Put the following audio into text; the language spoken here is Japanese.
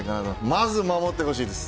まず守ってほしいです。